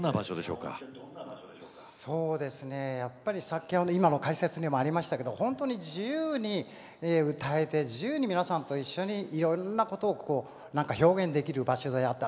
やっぱり今の解説にもありましたけど本当に自由に舞台で自由に皆さんと一緒にいろんなことを表現できる場所であった。